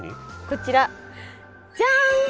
こちらジャン。